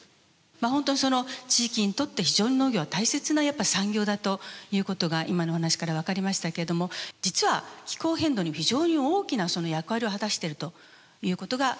本当にその地域にとって非常に農業は大切なやっぱ産業だということが今のお話から分かりましたけれども実は気候変動にも非常に大きな役割を果たしてるということが分かってまいりました。